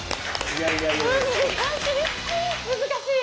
難しい！